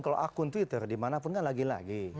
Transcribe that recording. kalau akun twitter dimanapun kan lagi lagi